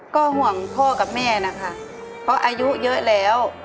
ก็ห่วงพ่อกับแม่นะคะเพราะอายุเยอะแล้ว